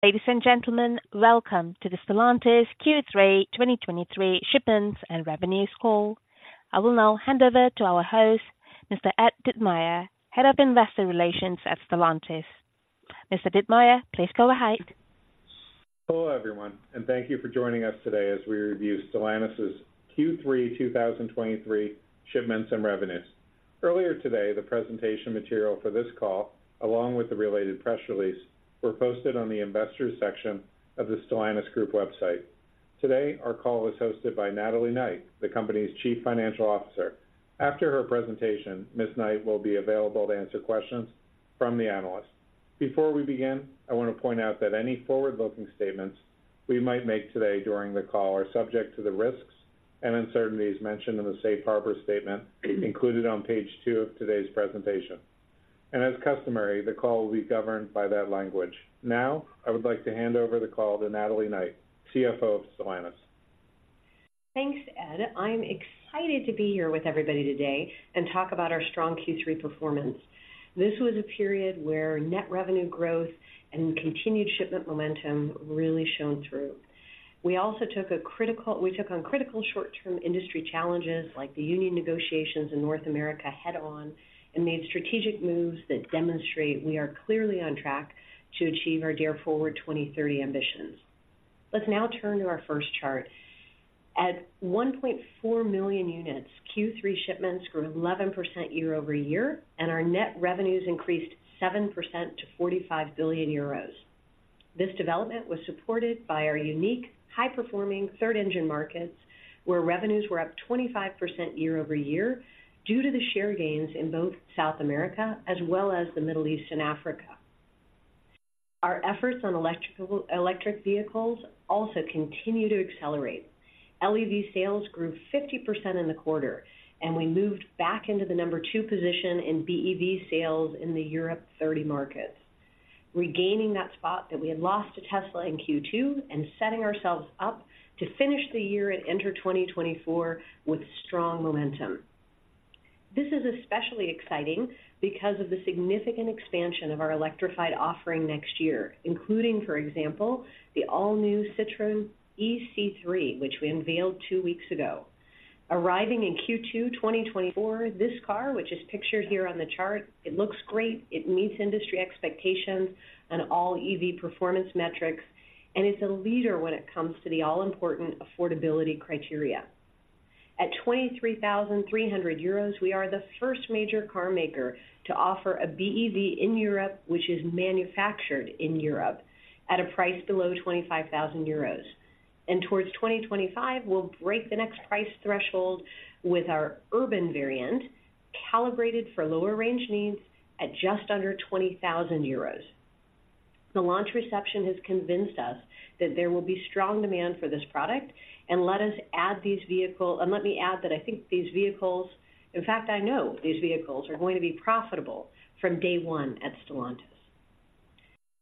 Ladies and gentlemen, welcome to the Stellantis Q3 2023 Shipments and Revenues call. I will now hand over to our host, Mr. Ed Ditmire, Head of Investor Relations at Stellantis. Mr. Ditmire, please go ahead. Hello, everyone, and thank you for joining us today as we review Stellantis's Q3 2023 shipments and revenues. Earlier today, the presentation material for this call, along with the related press release, were posted on the investors section of the Stellantis group website. Today, our call is hosted by Natalie Knight, the company's Chief Financial Officer. After her presentation, Ms. Knight will be available to answer questions from the analysts. Before we begin, I want to point out that any forward-looking statements we might make today during the call are subject to the risks and uncertainties mentioned in the safe harbor statement included on page two of today's presentation. As customary, the call will be governed by that language. Now, I would like to hand over the call to Natalie Knight, CFO of Stellantis. Thanks, Ed. I'm excited to be here with everybody today and talk about our strong Q3 performance. This was a period where net revenue growth and continued shipment momentum really shone through. We also took on critical short-term industry challenges like the union negotiations in North America head on, and made strategic moves that demonstrate we are clearly on track to achieve our Dare Forward 2030 ambitions. Let's now turn to our first chart. At 1.4 million units, Q3 shipments grew 11% year-over-year, and our net revenues increased 7% to 45 billion euros. This development was supported by our unique, high-performing Third Engine markets, where revenues were up 25% year-over-year due to the share gains in both South America as well as the Middle East and Africa. Our efforts on electric vehicles also continue to accelerate. LEV sales grew 50% in the quarter, and we moved back into the number two position in BEV sales in the Europe 30 markets, regaining that spot that we had lost to Tesla in Q2, and setting ourselves up to finish the year and enter 2024 with strong momentum. This is especially exciting because of the significant expansion of our electrified offering next year, including, for example, the all-new Citroën ë-C3, which we unveiled two weeks ago. Arriving in Q2 2024, this car, which is pictured here on the chart, it looks great, it meets industry expectations on all EV performance metrics, and it's a leader when it comes to the all-important affordability criteria. At 23,300 euros, we are the first major carmaker to offer a BEV in Europe, which is manufactured in Europe at a price below 25,000 euros. Towards 2025, we'll break the next price threshold with our urban variant, calibrated for lower range needs at just under 20,000 euros. The launch reception has convinced us that there will be strong demand for this product, and let me add that I think these vehicles, in fact, I know these vehicles are going to be profitable from day one at Stellantis.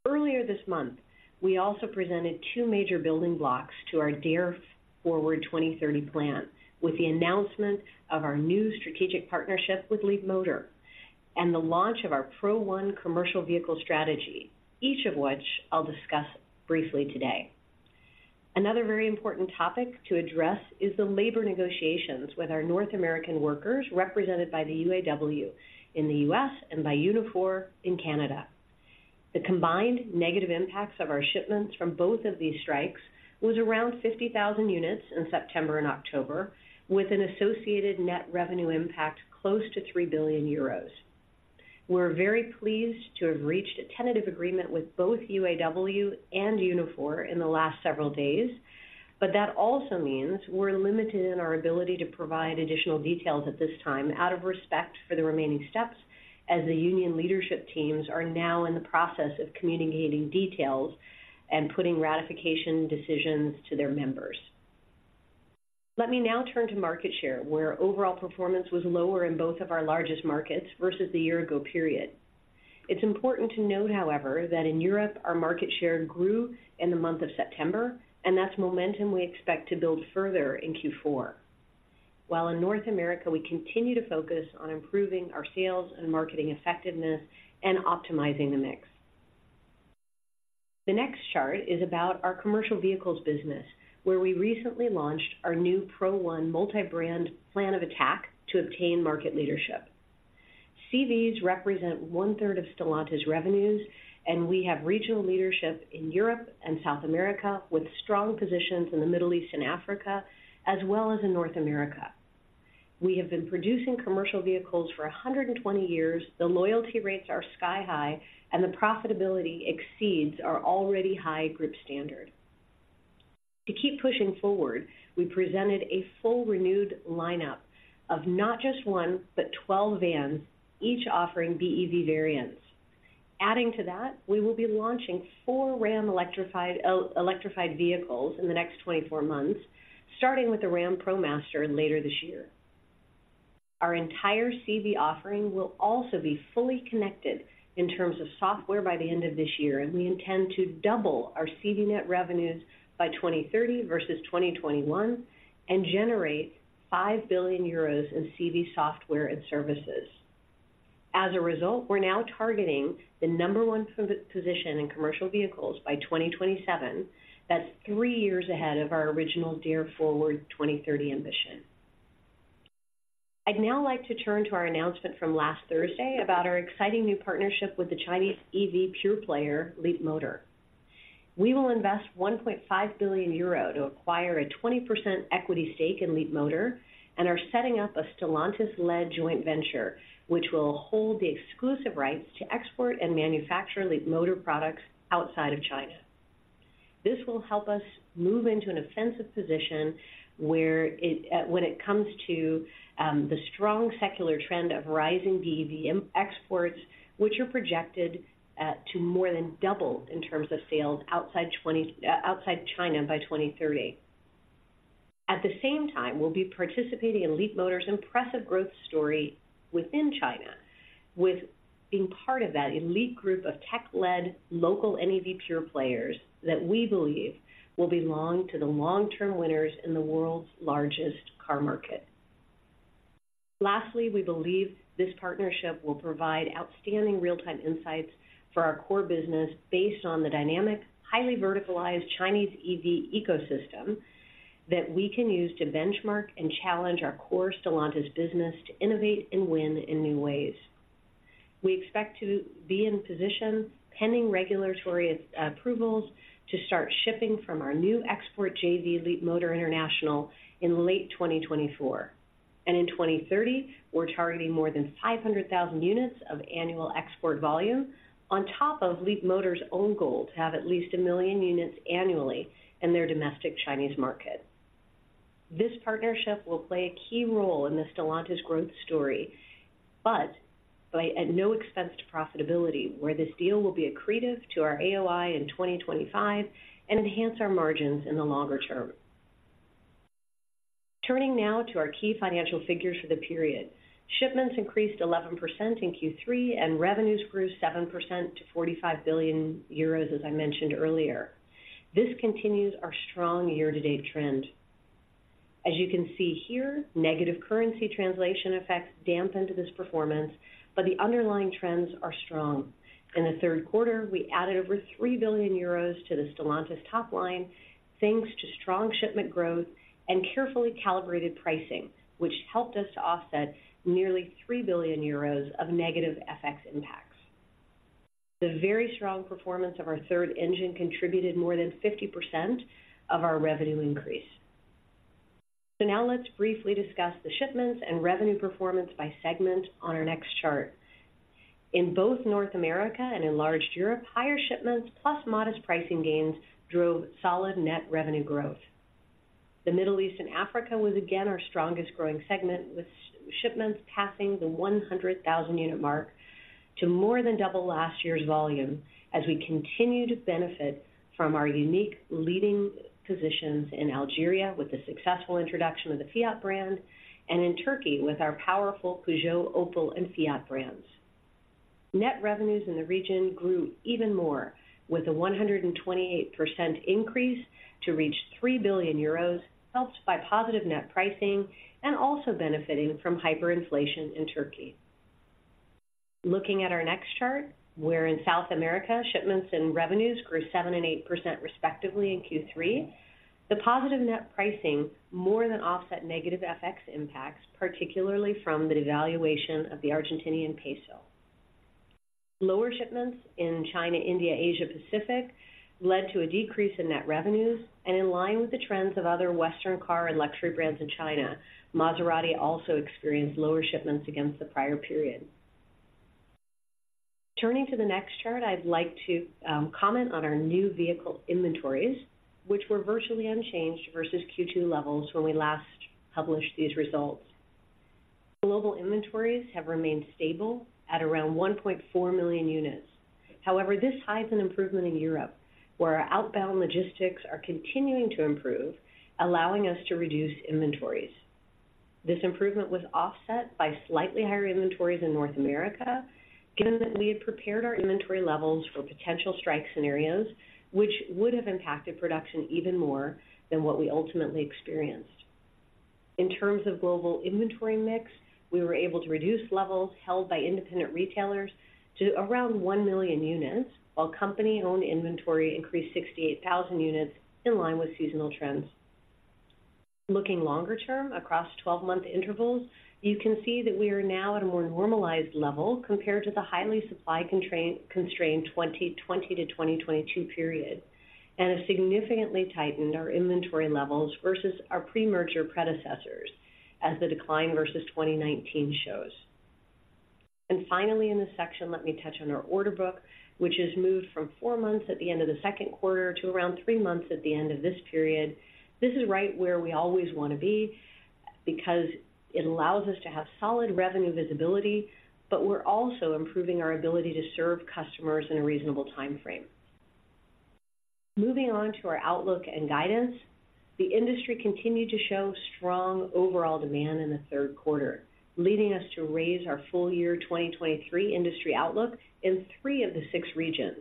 Earlier this month, we also presented two major building blocks to our Dare Forward 2030 plan, with the announcement of our new strategic partnership with Leapmotor and the launch of our Pro One commercial vehicle strategy, each of which I'll discuss briefly today. Another very important topic to address is the labor negotiations with our North American workers, represented by the UAW in the U.S. and by Unifor in Canada. The combined negative impacts of our shipments from both of these strikes was around 50,000 units in September and October, with an associated net revenue impact close to 3 billion euros. We're very pleased to have reached a tentative agreement with both UAW and Unifor in the last several days, but that also means we're limited in our ability to provide additional details at this time out of respect for the remaining steps, as the union leadership teams are now in the process of communicating details and putting ratification decisions to their members. Let me now turn to market share, where overall performance was lower in both of our largest markets versus the year ago period. It's important to note, however, that in Europe, our market share grew in the month of September, and that's momentum we expect to build further in Q4. While in North America, we continue to focus on improving our sales and marketing effectiveness and optimizing the mix. The next chart is about our commercial vehicles business, where we recently launched our new Pro One multi-brand plan of attack to obtain market leadership. CVs represent 1/3 of Stellantis revenues, and we have regional leadership in Europe and South America, with strong positions in the Middle East and Africa, as well as in North America. We have been producing commercial vehicles for 120 years. The loyalty rates are sky high, and the profitability exceeds our already high group standard. To keep pushing forward, we presented a full, renewed lineup of not just one, but 12 vans, each offering BEV variants. Adding to that, we will be launching four Ram electrified vehicles in the next 24 months, starting with the Ram ProMaster later this year. Our entire CV offering will also be fully connected in terms of software by the end of this year, and we intend to double our CV net revenues by 2030 versus 2021, and generate 5 billion euros in CV software and services. As a result, we're now targeting the number one position in commercial vehicles by 2027. That's three years ahead of our original Dare Forward 2030 ambition. I'd now like to turn to our announcement from last Thursday about our exciting new partnership with the Chinese EV pure player, Leapmotor. We will invest 1.5 billion euro to acquire a 20% equity stake in Leapmotor, and are setting up a Stellantis-led joint venture, which will hold the exclusive rights to export and manufacture Leapmotor products outside of China. This will help us move into an offensive position where it, when it comes to the strong secular trend of rising BEV exports, which are projected to more than double in terms of sales outside China by 2030. At the same time, we'll be participating in Leapmotor's impressive growth story within China, with being part of that elite group of tech-led local NEV pure players that we believe will belong to the long-term winners in the world's largest car market. Lastly, we believe this partnership will provide outstanding real-time insights for our core business based on the dynamic, highly verticalized Chinese EV ecosystem, that we can use to benchmark and challenge our core Stellantis business to innovate and win in new ways. We expect to be in position, pending regulatory approvals, to start shipping from our new export JV Leapmotor International, in late 2024. In 2030, we're targeting more than 500,000 units of annual export volume, on top of Leapmotor's own goal to have at least 1 million units annually in their domestic Chinese market. This partnership will play a key role in the Stellantis growth story, but by at no expense to profitability, where this deal will be accretive to our AOI in 2025 and enhance our margins in the longer term. Turning now to our key financial figures for the period. Shipments increased 11% in Q3, and revenues grew 7% to 45 billion euros, as I mentioned earlier. This continues our strong year-to-date trend. As you can see here, negative currency translation effects dampened this performance, but the underlying trends are strong. In the third quarter, we added over 3 billion euros to the Stellantis top line, thanks to strong shipment growth and carefully calibrated pricing, which helped us to offset nearly 3 billion euros of negative FX impacts. The very strong performance of our third engine contributed more than 50% of our revenue increase. So now let's briefly discuss the shipments and revenue performance by segment on our next chart. In both North America and Enlarged Europe, higher shipments plus modest pricing gains drove solid net revenue growth. The Middle East and Africa was again, our strongest growing segment, with shipments passing the 100,000 unit mark to more than double last year's volume, as we continue to benefit from our unique leading positions in Algeria, with the successful introduction of the Fiat brand, and in Turkey with our powerful Peugeot, Opel, and Fiat brands. Net revenues in the region grew even more, with a 128% increase to reach 3 billion euros, helped by positive net pricing and also benefiting from hyperinflation in Turkey. Looking at our next chart, where in South America, shipments and revenues grew 7% and 8% respectively in Q3, the positive net pricing more than offset negative FX impacts, particularly from the devaluation of the Argentine peso. Lower shipments in China, India, Asia Pacific, led to a decrease in net revenues, and in line with the trends of other Western car and luxury brands in China, Maserati also experienced lower shipments against the prior period. Turning to the next chart, I'd like to comment on our new vehicle inventories, which were virtually unchanged versus Q2 levels when we last published these results. Global inventories have remained stable at around 1.4 million units. However, this hides an improvement in Europe, where our outbound logistics are continuing to improve, allowing us to reduce inventories. This improvement was offset by slightly higher inventories in North America, given that we had prepared our inventory levels for potential strike scenarios, which would have impacted production even more than what we ultimately experienced. In terms of global inventory mix, we were able to reduce levels held by independent retailers to around 1 million units, while company-owned inventory increased 68,000 units in line with seasonal trends. Looking longer term, across 12-month intervals, you can see that we are now at a more normalized level compared to the highly supply constrained 2020 to 2022 period, and have significantly tightened our inventory levels versus our pre-merger predecessors as the decline versus 2019 shows. Finally, in this section, let me touch on our order book, which has moved from four months at the end of the second quarter to around three months at the end of this period. This is right where we always want to be because it allows us to have solid revenue visibility, but we're also improving our ability to serve customers in a reasonable timeframe. Moving on to our outlook and guidance. The industry continued to show strong overall demand in the third quarter, leading us to raise our full-year 2023 industry outlook in three of the six regions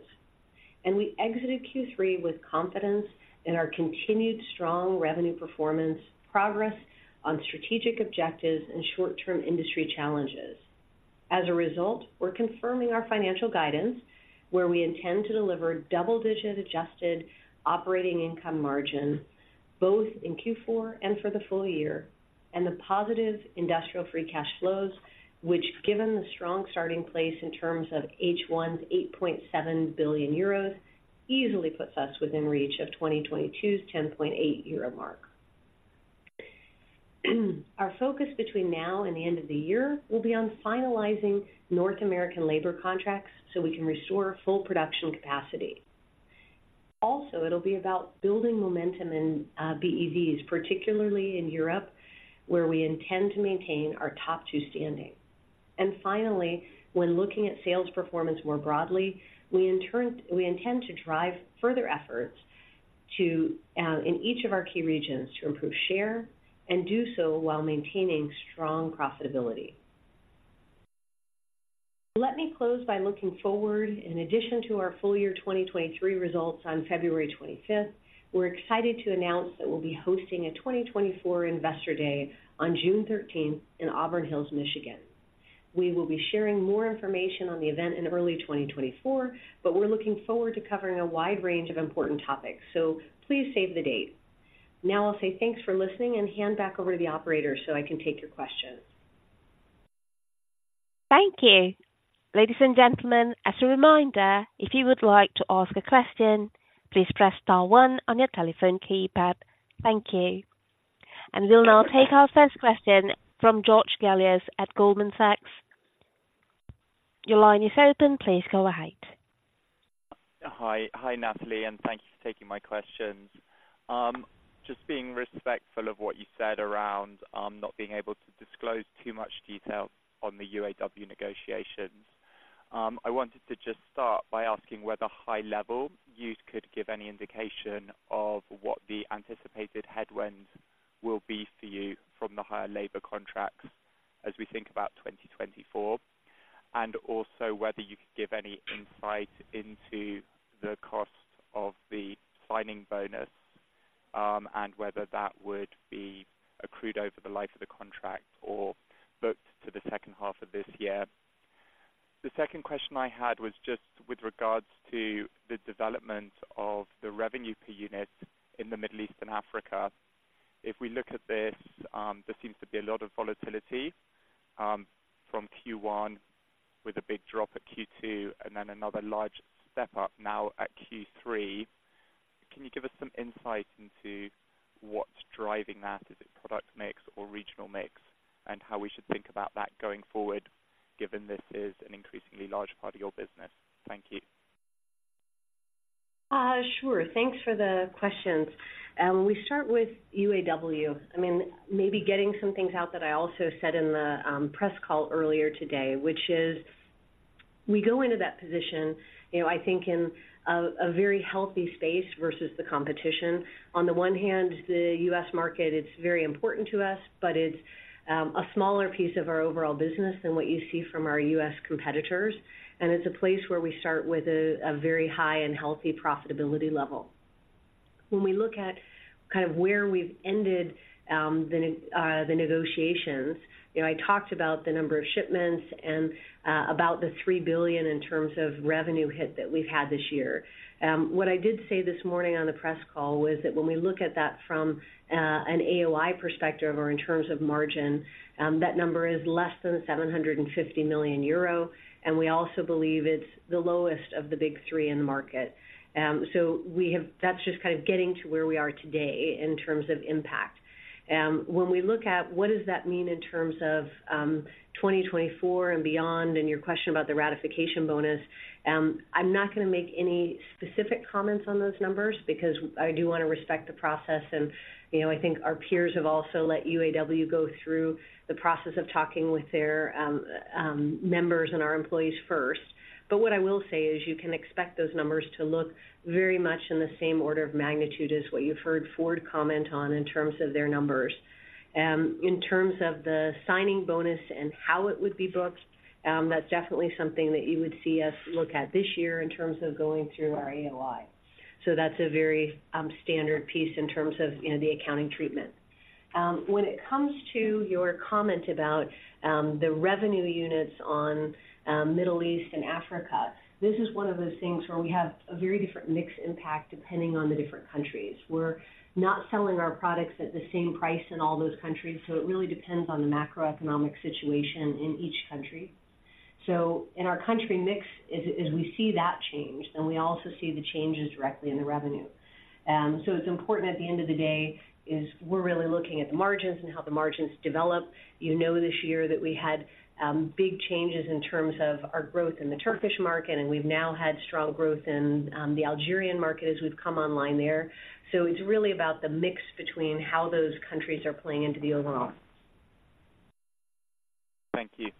and we exited Q3 with confidence in our continued strong revenue performance, progress on strategic objectives, and short-term industry challenges. As a result, we're confirming our financial guidance, where we intend to deliver double-digit adjusted operating income margin, both in Q4 and for the full year, and the positive industrial free cash flows, which, given the strong starting place in terms of H1's 8.7 billion euros, easily puts us within reach of 2022's 10.8 billion euro mark. Our focus between now and the end of the year will be on finalizing North American labor contracts so we can restore full production capacity. Also, it'll be about building momentum in BEVs, particularly in Europe, where we intend to maintain our top two standing. Finally, when looking at sales performance more broadly, we intend to drive further efforts to in each of our key regions, to improve share and do so while maintaining strong profitability. Let me close by looking forward. In addition to our full year 2023 results on February 25th, we're excited to announce that we'll be hosting a 2024 Investor Day on June 13th in Auburn Hills, Michigan. We will be sharing more information on the event in early 2024, but we're looking forward to covering a wide range of important topics, so please save the date. Now I'll say thanks for listening and hand back over to the operator so I can take your questions. Thank you. Ladies and gentlemen, as a reminder, if you would like to ask a question, please press star one on your telephone keypad. Thank you. We'll now take our first question from George Galliers at Goldman Sachs. Your line is open. Please go ahead. Hi. Hi, Natalie, and thank you for taking my questions. Just being respectful of what you said around not being able to disclose too much detail on the UAW negotiations. I wanted to just start by asking whether high level you could give any indication of what the anticipated headwinds will be for you from the higher labor contracts as we think about 2024, and also whether you could give any insight into the cost of the signing bonus, and whether that would be accrued over the life of the contract or booked to the second half of this year? The second question I had was just with regards to the development of the revenue per unit in the Middle East and Africa. If we look at this, there seems to be a lot of volatility from Q1, with a big drop at Q2 and then another large step up now at Q3. Can you give us some insight into what's driving that? Is it product mix or regional mix? How we should think about that going forward, given this is an increasingly large part of your business? Thank you. Sure. Thanks for the questions. We start with UAW. I mean, maybe getting some things out that I also said in the press call earlier today, which is we go into that position, you know, I think, in a very healthy space versus the competition. On the one hand, the U.S. market, it's very important to us, but it's a smaller piece of our overall business than what you see from our U.S. competitors, and it's a place where we start with a very high and healthy profitability level. When we look at kind of where we've ended the negotiations, you know, I talked about the number of shipments and about the 3 billion in terms of revenue hit that we've had this year. What I did say this morning on the press call was that when we look at that from an AOI perspective or in terms of margin, that number is less than 750 million euro, and we also believe it's the lowest of the big three in the market. So we have that. That's just kind of getting to where we are today in terms of impact. When we look at what does that mean in terms of 2024 and beyond, and your question about the ratification bonus, I'm not gonna make any specific comments on those numbers because I do wanna respect the process. You know, I think our peers have also let UAW go through the process of talking with their members and our employees first. But what I will say is you can expect those numbers to look very much in the same order of magnitude as what you've heard Ford comment on in terms of their numbers. In terms of the signing bonus and how it would be booked, that's definitely something that you would see us look at this year in terms of going through our AOI. So that's a very standard piece in terms of, you know, the accounting treatment. When it comes to your comment about the revenue units on Middle East and Africa, this is one of those things where we have a very different mix impact depending on the different countries. We're not selling our products at the same price in all those countries, so it really depends on the macroeconomic situation in each country. So in our country mix, as we see that change, then we also see the changes directly in the revenue. So it's important at the end of the day, is we're really looking at the margins and how the margins develop. You know, this year that we had, big changes in terms of our growth in the Turkish market, and we've now had strong growth in, the Algerian market as we've come online there. So it's really about the mix between how those countries are playing into the overall. Thank you.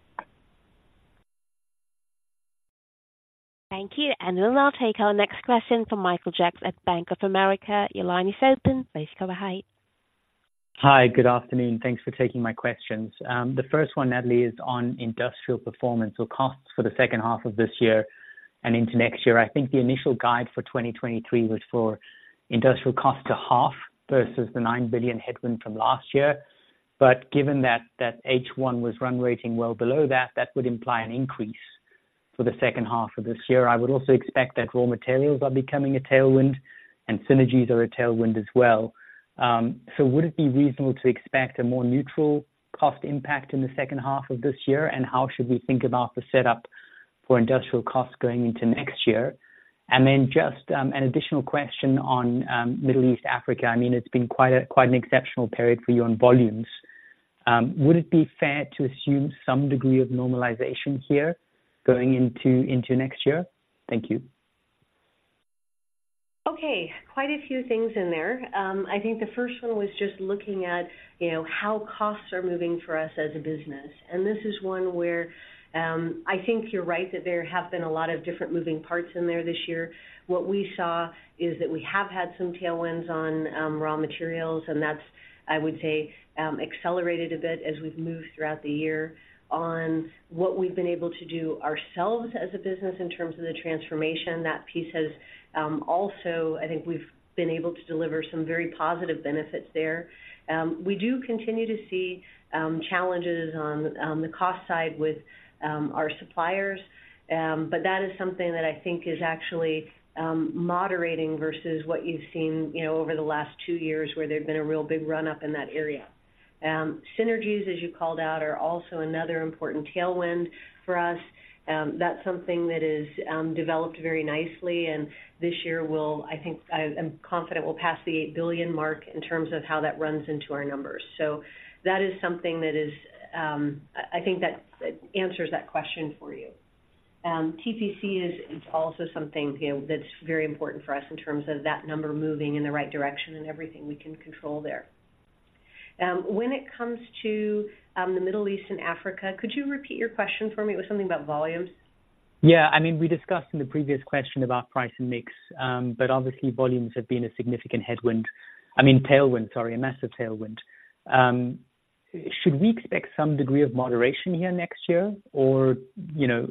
Thank you, and we'll now take our next question from Michael Jacks at Bank of America. Your line is open. Please go ahead. Hi, good afternoon. Thanks for taking my questions. The first one, Natalie, is on industrial performance or costs for the second half of this year and into next year. I think the initial guide for 2023 was for industrial cost to half versus the 9 billion headwind from last year. But given that, that H1 was run rating well below that, that would imply an increase for the second half of this year. I would also expect that raw materials are becoming a tailwind, and synergies are a tailwind as well. So would it be reasonable to expect a more neutral cost impact in the second half of this year? And how should we think about the setup for industrial costs going into next year? And then just, an additional question on, Middle East, Africa. I mean, it's been quite a, quite an exceptional period for you on volumes. Would it be fair to assume some degree of normalization here going into, into next year? Thank you. Okay, quite a few things in there. I think the first one was just looking at, you know, how costs are moving for us as a business. This is one where, I think you're right, that there have been a lot of different moving parts in there this year. What we saw is that we have had some tailwinds on raw materials, and that's, I would say, accelerated a bit as we've moved throughout the year. On what we've been able to do ourselves as a business in terms of the transformation, that piece has also, I think we've been able to deliver some very positive benefits there. We do continue to see challenges on the cost side with our suppliers, but that is something that I think is actually moderating versus what you've seen, you know, over the last two years, where there'd been a real big run-up in that area. Synergies, as you called out, are also another important tailwind for us. That's something that is developed very nicely, and this year will, I think, I'm confident will pass the 8 billion mark in terms of how that runs into our numbers. So that is something that is, I think that answers that question for you. TPC is also something, you know, that's very important for us in terms of that number moving in the right direction and everything we can control there. When it comes to the Middle East and Africa, could you repeat your question for me? It was something about volumes. Yeah, I mean, we discussed in the previous question about price and mix, but obviously volumes have been a significant headwind. I mean, tailwind, sorry, a massive tailwind. Should we expect some degree of moderation here next year? Or, you know,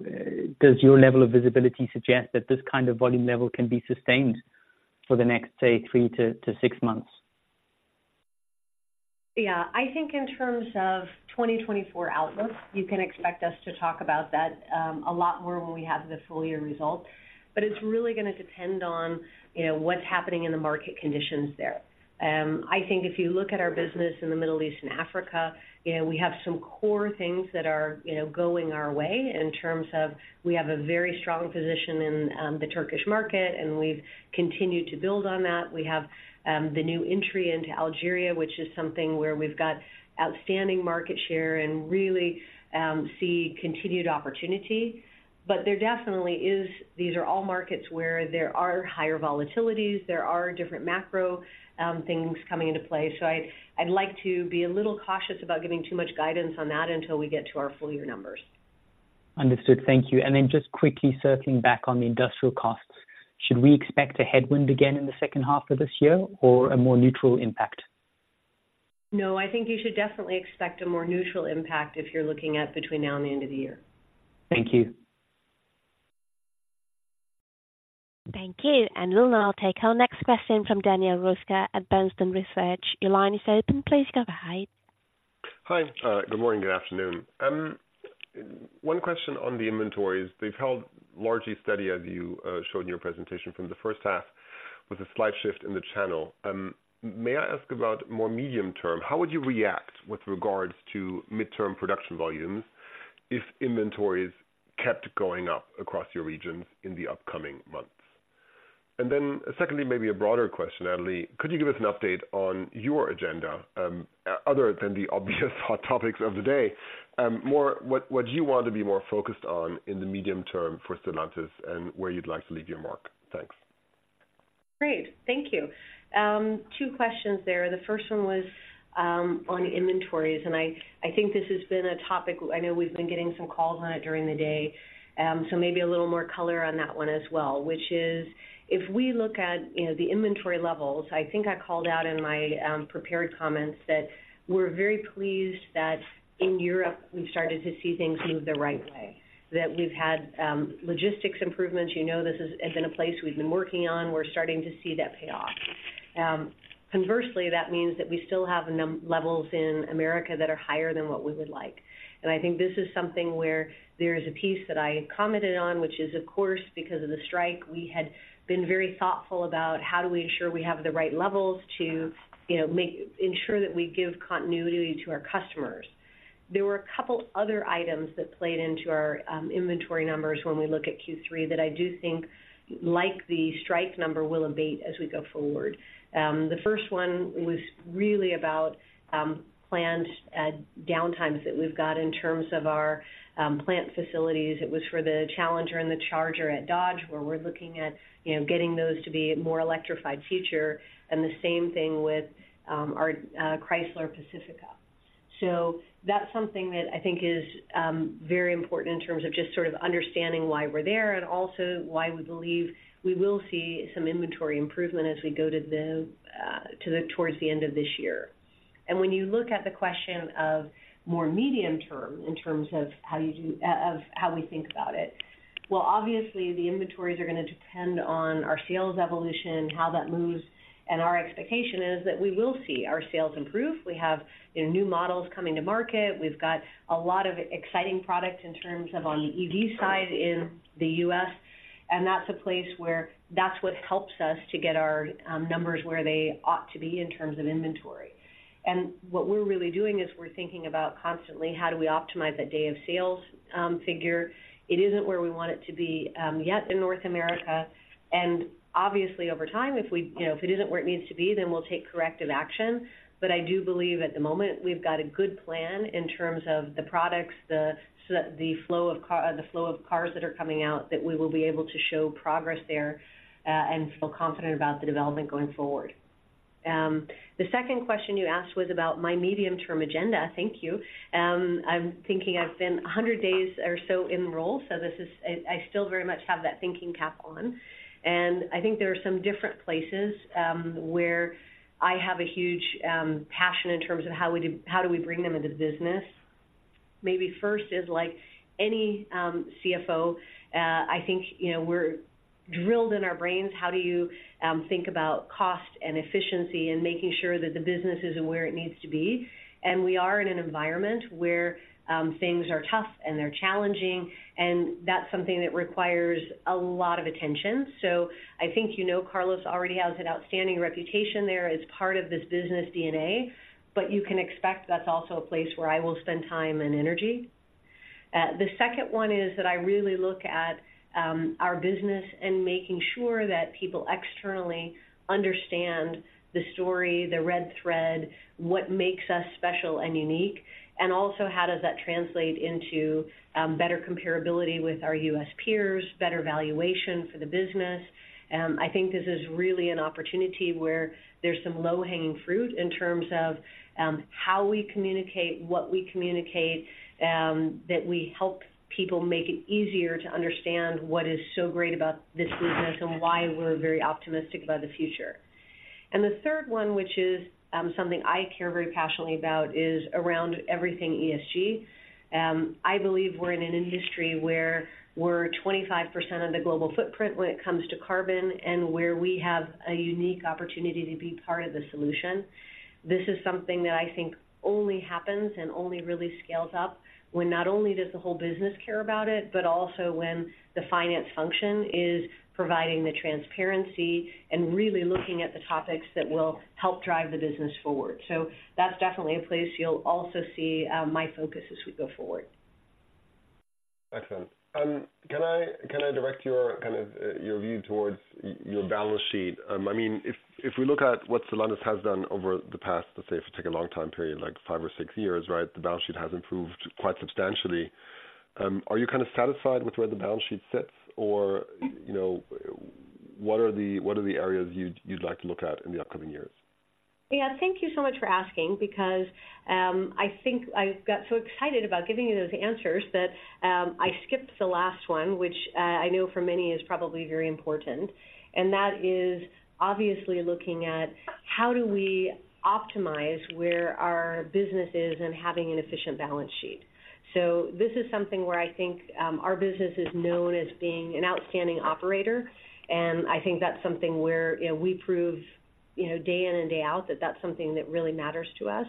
does your level of visibility suggest that this kind of volume level can be sustained for the next, say, three to six months? Yeah. I think in terms of 2024 outlook, you can expect us to talk about that a lot more when we have the full year results. But it's really going to depend on, you know, what's happening in the market conditions there. I think if you look at our business in the Middle East and Africa, you know, we have some core things that are, you know, going our way in terms of we have a very strong position in the Turkish market, and we've continued to build on that. We have the new entry into Algeria, which is something where we've got outstanding market share and really see continued opportunity. But there definitely is. These are all markets where there are higher volatilities, there are different macro things coming into play. I'd like to be a little cautious about giving too much guidance on that until we get to our full year numbers. Understood. Thank you. And then just quickly circling back on the industrial costs, should we expect a headwind again in the second half of this year or a more neutral impact? No, I think you should definitely expect a more neutral impact if you're looking at between now and the end of the year. Thank you. Thank you. We'll now take our next question from Daniel Roeska at Bernstein Research. Your line is open. Please go ahead. Hi. Good morning, good afternoon. One question on the inventories. They've held largely steady, as you showed in your presentation from the first half, with a slight shift in the channel. May I ask about more medium-term? How would you react with regards to mid-term production volumes if inventories kept going up across your regions in the upcoming months? And then secondly, maybe a broader question, Natalie, could you give us an update on your agenda, other than the obvious hot topics of the day, more what, what do you want to be more focused on in the medium-term for Stellantis and where you'd like to leave your mark? Thanks. Great. Thank you. Two questions there. The first one was on inventories, and I think this has been a topic. I know we've been getting some calls on it during the day, so maybe a little more color on that one as well, which is, if we look at, you know, the inventory levels, I think I called out in my prepared comments that we're very pleased that in Europe, we've started to see things move the right way, that we've had logistics improvements. You know, this has been a place we've been working on. We're starting to see that pay off. Conversely, that means that we still have levels in America that are higher than what we would like. And I think this is something where there is a piece that I had commented on, which is, of course, because of the strike, we had been very thoughtful about how do we ensure we have the right levels to, you know, make, ensure that we give continuity to our customers. There were a couple other items that played into our inventory numbers when we look at Q3, that I do think, like the strike number, will abate as we go forward. The first one was really about planned downtimes that we've got in terms of our plant facilities. It was for the Challenger and the Charger at Dodge, where we're looking at, you know, getting those to be a more electrified future, and the same thing with our Chrysler Pacifica. So that's something that I think is very important in terms of just sort of understanding why we're there and also why we believe we will see some inventory improvement as we go towards the end of this year. When you look at the question of more medium-term, in terms of how we think about it, well, obviously, the inventories are gonna depend on our sales evolution, how that moves, and our expectation is that we will see our sales improve. We have, you know, new models coming to market. We've got a lot of exciting products in terms of on the EV side in the U.S., and that's a place where that's what helps us to get our numbers where they ought to be in terms of inventory. What we're really doing is we're thinking about constantly, how do we optimize that day of sales figure? It isn't where we want it to be yet in North America, and obviously over time, if we, you know, if it isn't where it needs to be, then we'll take corrective action. I do believe at the moment we've got a good plan in terms of the products, the flow of car, the flow of cars that are coming out, that we will be able to show progress there, and feel confident about the development going forward. The second question you asked was about my medium-term agenda. Thank you. I'm thinking I've been 100 days or so in role, so this is I still very much have that thinking cap on, and I think there are some different places where I have a huge passion in terms of how we bring them into the business. Maybe first is like any CFO, I think, you know, we're drilled in our brains, how do you think about cost and efficiency and making sure that the business is where it needs to be? And we are in an environment where things are tough and they're challenging, and that's something that requires a lot of attention. So I think, you know, Carlos already has an outstanding reputation there as part of this business DNA, but you can expect that's also a place where I will spend time and energy. The second one is that I really look at our business and making sure that people externally understand the story, the red thread, what makes us special and unique, and also how does that translate into better comparability with our U.S. peers, better valuation for the business? I think this is really an opportunity where there's some low-hanging fruit in terms of how we communicate, what we communicate, that we help people make it easier to understand what is so great about this business and why we're very optimistic about the future. And the third one, which is something I care very passionately about, is around everything ESG. I believe we're in an industry where we're 25% of the global footprint when it comes to carbon and where we have a unique opportunity to be part of the solution. This is something that I think only happens and only really scales up when not only does the whole business care about it, but also when the finance function is providing the transparency and really looking at the topics that will help drive the business forward. So that's definitely a place you'll also see my focus as we go forward. Excellent. Can I direct your, kind of, your view towards your balance sheet? I mean, if we look at what Stellantis has done over the past, let's say, if you take a long time period, like five or six years, right, the balance sheet has improved quite substantially. Are you kind of satisfied with where the balance sheet sits? Or, you know, what are the areas you'd like to look at in the upcoming years? Yeah, thank you so much for asking, because I think I got so excited about giving you those answers that I skipped the last one, which I know for many is probably very important. And that is obviously looking at how do we optimize where our business is and having an efficient balance sheet. So this is something where I think our business is known as being an outstanding operator, and I think that's something where, you know, we prove, you know, day in and day out, that that's something that really matters to us.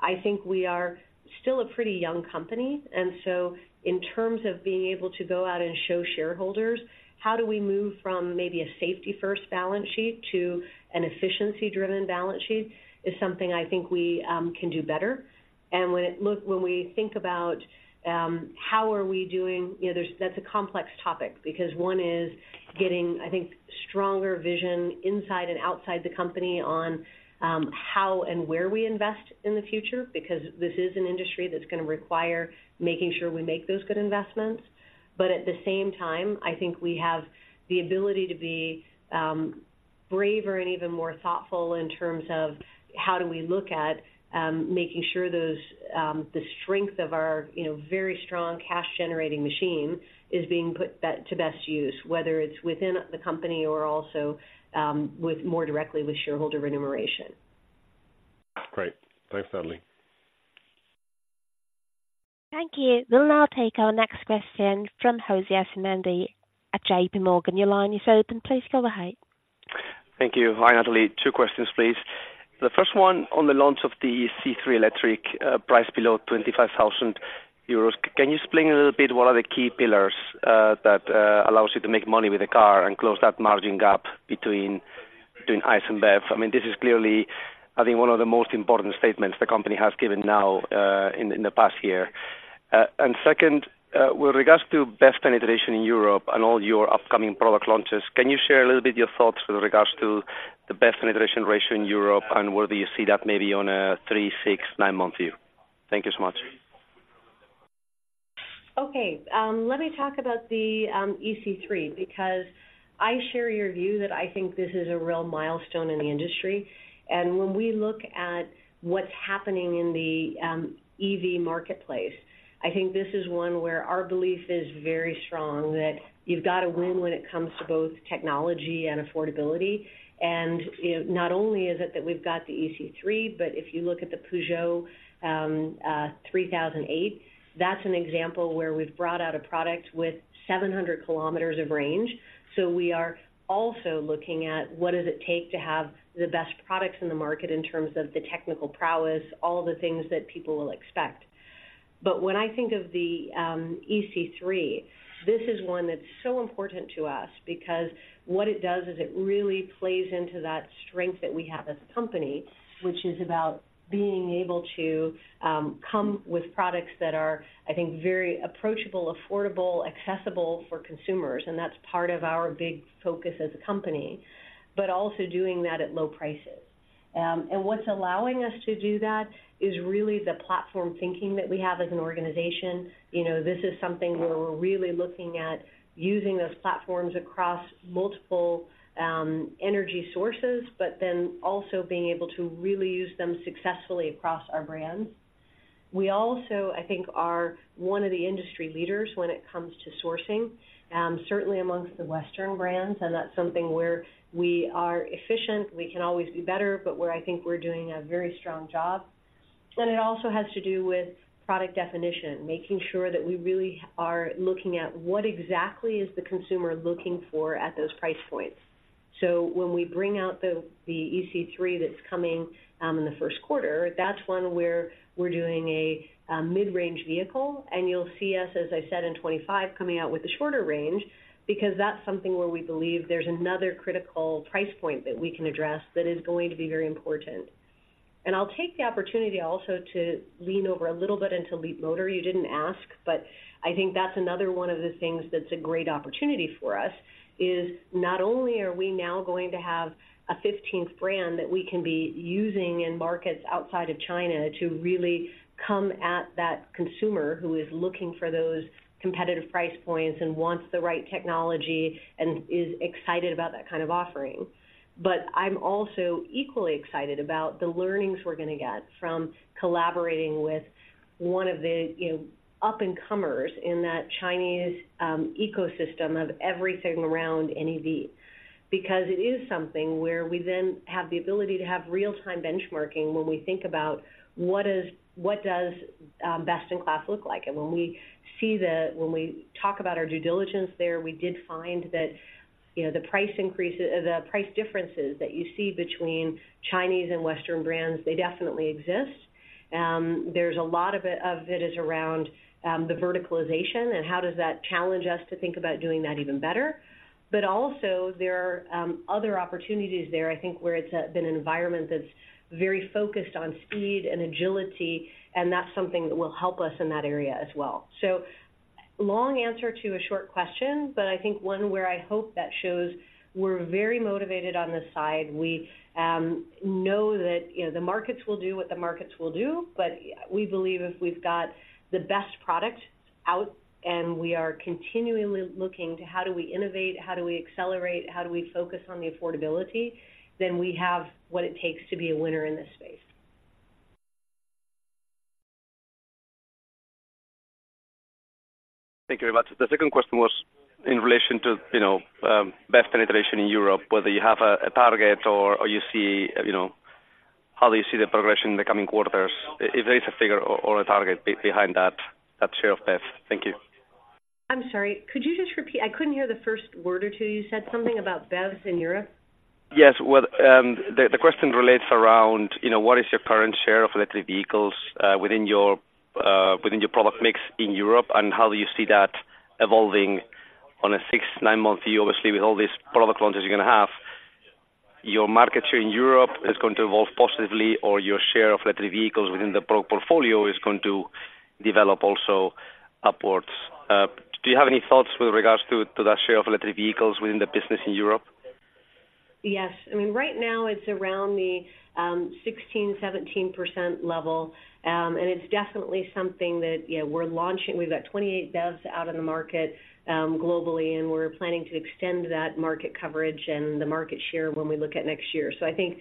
I think we are still a pretty young company, and so in terms of being able to go out and show shareholders how do we move from maybe a safety-first balance sheet to an efficiency-driven balance sheet is something I think we can do better. When we think about how are we doing, you know, that's a complex topic because one is getting, I think, stronger vision inside and outside the company on how and where we invest in the future, because this is an industry that's gonna require making sure we make those good investments. But at the same time, I think we have the ability to be braver and even more thoughtful in terms of how do we look at making sure those the strength of our, you know, very strong cash-generating machine is being put to best use, whether it's within the company or also with more directly with shareholder remuneration. Great. Thanks, Natalie. Thank you. We'll now take our next question from José Asumendi at JPMorgan. Your line is open. Please go ahead. Thank you. Hi, Natalie. Two questions, please. The first one on the launch of the C3 electric, priced below 25,000 euros. Can you explain a little bit what are the key pillars that allows you to make money with the car and close that margin gap between ICE and BEV? I mean, this is clearly, I think, one of the most important statements the company has given now in the past year. And second, with regards to BEV penetration in Europe and all your upcoming product launches, can you share a little bit your thoughts with regards to the BEV penetration ratio in Europe and where do you see that maybe on a three, six, nine month view? Thank you so much. Okay, let me talk about the ë-C3, because I share your view that I think this is a real milestone in the industry. And when we look at what's happening in the EV marketplace, I think this is one where our belief is very strong, that you've got to win when it comes to both technology and affordability. And, you know, not only is it that we've got the ë-C3, but if you look at the Peugeot 3008, that's an example where we've brought out a product with 700 km of range. So we are also looking at what does it take to have the best products in the market in terms of the technical prowess, all the things that people will expect. But when I think of the ë-C3, this is one that's so important to us because what it does is it really plays into that strength that we have as a company, which is about being able to come with products that are, I think, very approachable, affordable, accessible for consumers, and that's part of our big focus as a company, but also doing that at low prices. And what's allowing us to do that is really the platform thinking that we have as an organization. You know, this is something where we're really looking at using those platforms across multiple energy sources, but then also being able to really use them successfully across our brands. We also, I think, are one of the industry leaders when it comes to sourcing, certainly amongst the Western brands, and that's something where we are efficient. We can always be better, but where I think we're doing a very strong job. And it also has to do with product definition, making sure that we really are looking at what exactly is the consumer looking for at those price points. So when we bring out the ë-C3 that's coming in the first quarter, that's one where we're doing a mid-range vehicle, and you'll see us, as I said, in 2025, coming out with a shorter range, because that's something where we believe there's another critical price point that we can address that is going to be very important. And I'll take the opportunity also to lean over a little bit into Leapmotor. You didn't ask, but I think that's another one of the things that's a great opportunity for us, is not only are we now going to have a 15th brand that we can be using in markets outside of China to really come at that consumer who is looking for those competitive price points and wants the right technology and is excited about that kind of offering. But I'm also equally excited about the learnings we're going to get from collaborating with one of the, you know, up-and-comers in that Chinese ecosystem of everything around NEV. Because it is something where we then have the ability to have real-time benchmarking when we think about what does best-in-class look like? And when we talk about our due diligence there, we did find that, you know, the price increase, the price differences that you see between Chinese and Western brands, they definitely exist. There's a lot of it is around, the verticalization and how does that challenge us to think about doing that even better. But also there are other opportunities there, I think, where it's been an environment that's very focused on speed and agility, and that's something that will help us in that area as well. So long answer to a short question, but I think one where I hope that shows we're very motivated on this side. We know that, you know, the markets will do what the markets will do, but we believe if we've got the best product out and we are continually looking to how do we innovate, how do we accelerate, how do we focus on the affordability, then we have what it takes to be a winner in this space. Thank you very much. The second question was in relation to, you know, BEV penetration in Europe, whether you have a target or you see, you know, how do you see the progression in the coming quarters? If there is a figure or a target behind that share of BEV? Thank you. I'm sorry, could you just repeat? I couldn't hear the first word or two. You said something about BEVs in Europe? Yes. Well, the question relates around, you know, what is your current share of electric vehicles within your product mix in Europe, and how do you see that evolving on a six to nine month view? Obviously, with all these product launches you're going to have, your market share in Europe is going to evolve positively, or your share of electric vehicles within the product portfolio is going to develop also upwards. Do you have any thoughts with regards to that share of electric vehicles within the business in Europe? Yes. I mean, right now it's around the 16%, 17% level. And it's definitely something that, you know, we're launching. We've got 28 BEVs out in the market, globally, and we're planning to extend that market coverage and the market share when we look at next year. So I think,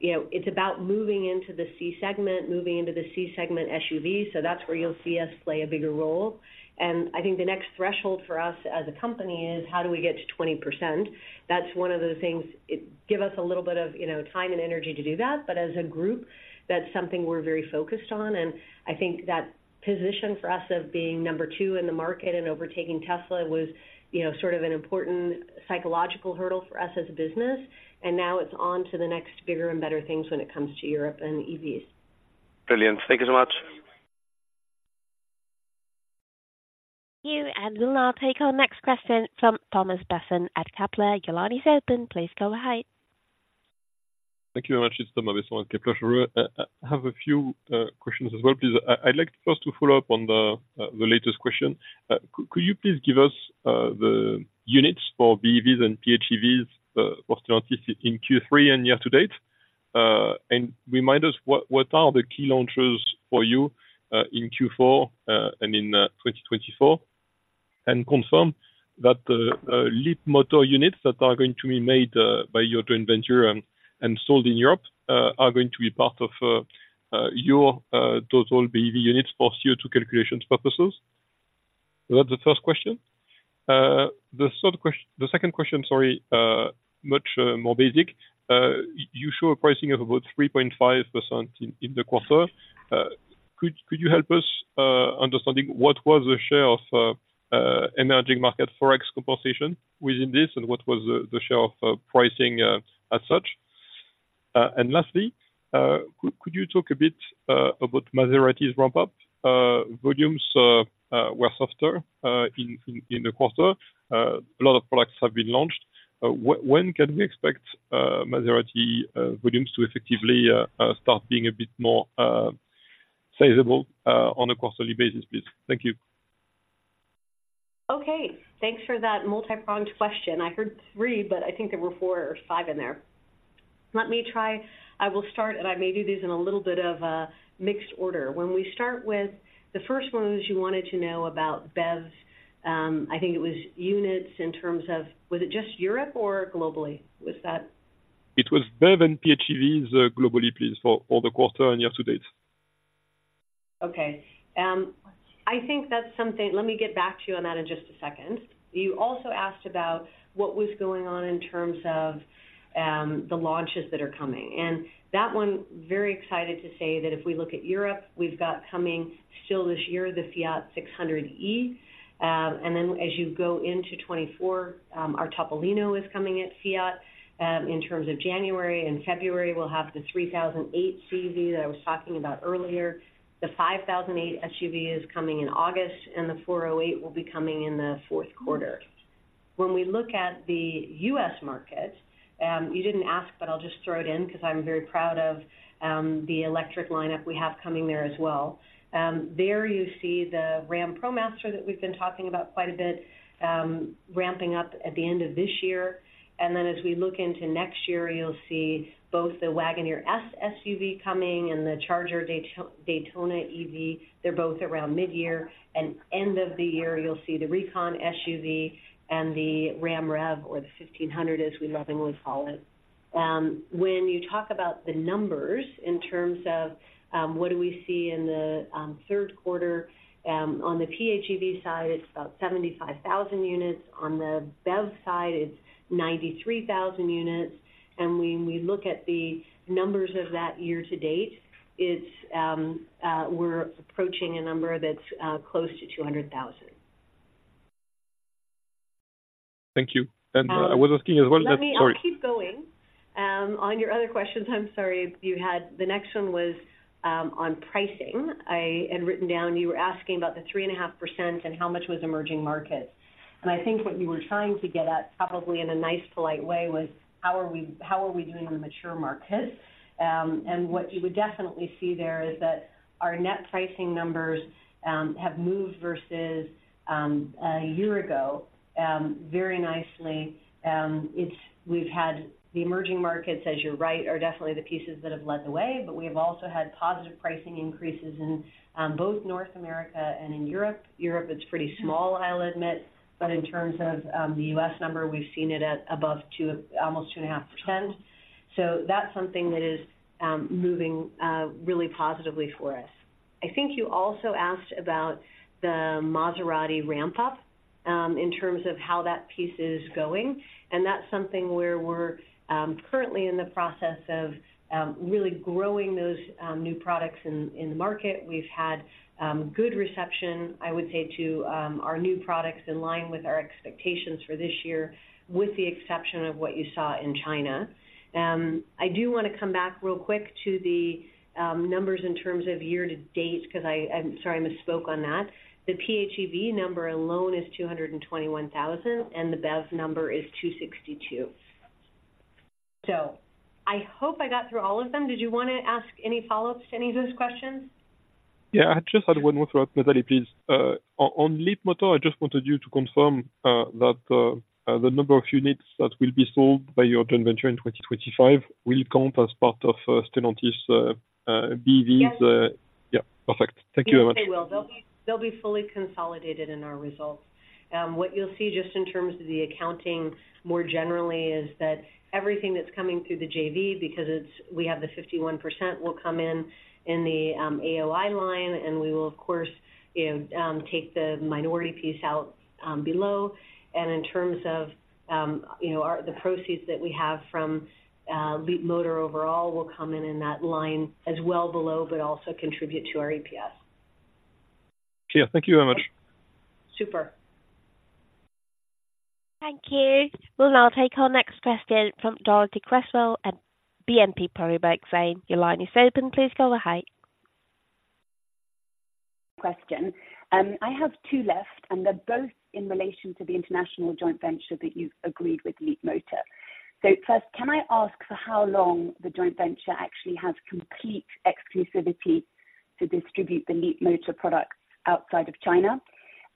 you know, it's about moving into the C segment, moving into the C segment SUV. So that's where you'll see us play a bigger role. And I think the next threshold for us as a company is how do we get to 20%? That's one of the things. It gives us a little bit of, you know, time and energy to do that, but as a group, that's something we're very focused on, and I think that position for us of being number two in the market and overtaking Tesla was, you know, sort of an important psychological hurdle for us as a business. Now it's on to the next bigger and better things when it comes to Europe and EVs. Brilliant. Thank you so much. Thank you, and we'll now take our next question from Thomas Besson at Kepler. Your line is open. Please go ahead. Thank you very much. It's Thomas Besson at Kepler Cheuvreux. I have a few questions as well, please. I'd like first to follow-up on the latest question. Could you please give us the units for BEVs and PHEVs for Stellantis in Q3 and year-to-date? And remind us what the key launches for you are in Q4 and in 2024? And confirm that the Leapmotor units that are going to be made by your joint venture and sold in Europe are going to be part of your total BEV units for CO2 calculations purposes. So, that's the first question. The second question, sorry, much more basic. You show a pricing of about 3.5% in the quarter. Could you help us understanding what was the share of emerging market Forex compensation within this, and what was the share of pricing as such? And lastly, could you talk a bit about Maserati's ramp up? Volumes were softer in the quarter. A lot of products have been launched. When can we expect Maserati volumes to effectively start being a bit more sizable on a quarterly basis, please? Thank you. Okay. Thanks for that multipronged question. I heard three, but I think there were four or five in there. Let me try. I will start, and I may do these in a little bit of a mixed order. When we start with the first one, is you wanted to know about BEVs, I think it was units in terms of, was it just Europe or globally? Was that? It was BEV and PHEVs globally, please, for all the quarter and year-to-date. Okay. I think that's something, let me get back to you on that in just a second. You also asked about what was going on in terms of, the launches that are coming, and that one, very excited to say that if we look at Europe, we've got coming still this year, the Fiat 600e. And then as you go into 2024, our Topolino is coming at Fiat. In terms of January and February, we'll have the 3008 SUV that I was talking about earlier. The 5008 SUV is coming in August, and the 408 will be coming in the fourth quarter. When we look at the U.S. market, you didn't ask, but I'll just throw it in because I'm very proud of, the electric lineup we have coming there as well. There you see the Ram ProMaster that we've been talking about quite a bit, ramping up at the end of this year. And then as we look into next year, you'll see both the Wagoneer S SUV coming and the Charger Daytona EV. They're both around mid-year, and end of the year, you'll see the Recon SUV and the Ram REV, or the 1500, as we lovingly call it. When you talk about the numbers in terms of what do we see in the third quarter, on the PHEV side, it's about 75,000 units. On the BEV side, it's 93,000 units. And when we look at the numbers of that year-to-date, it's we're approaching a number that's close to 200,000. Thank you. Um- I was asking as well, sorry- Let me, I'll keep going. On your other questions, I'm sorry, you had, the next one was, on pricing. I had written down you were asking about the 3.5% and how much was emerging markets. I think what you were trying to get at, probably in a nice, polite way, was how are we, how are we doing in the mature markets? What you would definitely see there is that our net pricing numbers have moved versus a year ago very nicely. We've had the emerging markets, as you're right, are definitely the pieces that have led the way, but we've also had positive pricing increases in both North America and in Europe. Europe, it's pretty small, I'll admit, but in terms of the U.S. number, we've seen it at above 2%, almost 2.5%. So that's something that is moving really positively for us. I think you also asked about the Maserati ramp up in terms of how that piece is going, and that's something where we're currently in the process of really growing those new products in the market. We've had good reception, I would say, to our new products in line with our expectations for this year, with the exception of what you saw in China. I do want to come back real quick to the numbers in terms of year-to-date, because I, I'm sorry, I misspoke on that. The PHEV number alone is 221,000, and the BEV number is 262,000. So I hope I got through all of them. Did you want to ask any follow-ups to any of those questions? Yeah, I just had one more for us, Natalie, please. On Leapmotor, I just wanted you to confirm that the number of units that will be sold by your joint venture in 2025 will count as part of Stellantis BEVs? Yes. Yeah, perfect. Thank you very much. They will. They'll be, they'll be fully consolidated in our results. What you'll see just in terms of the accounting, more generally, is that everything that's coming through the JV, because it's, we have the 51%, will come in the AOI line, and we will, of course, take the minority piece out below. And in terms of, you know, our, the proceeds that we have from Leapmotor overall will come in that line as well below, but also contribute to our EPS. Yeah, thank you very much. Super. Thank you. We'll now take our next question from Dorothee Cresswell at BNP Paribas Exane. Your line is open. Please go ahead. Question. I have two left, and they're both in relation to the international joint venture that you've agreed with Leapmotor. So first, can I ask for how long the joint venture actually has complete exclusivity to distribute the Leapmotor products outside of China?